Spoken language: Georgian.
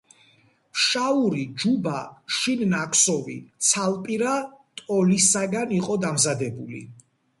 ფშაური ჯუბა შინ ნაქსოვი ცალპირა ტოლისაგან იყო დამზადებული.